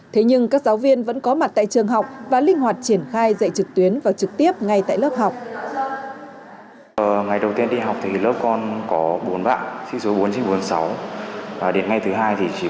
thế nhưng các giáo viên vẫn có mặt tại trường học và linh hoạt triển khai dạy trực tuyến và trực tiếp ngay tại lớp học